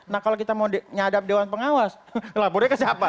nah kalau kita mau nyadap dewan pengawas lapornya ke siapa